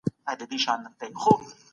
هیڅوک د قانون څخه پورته نه دي.